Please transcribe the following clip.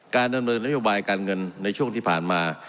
ดำเนินนโยบายการเงินในช่วงที่ผ่านมา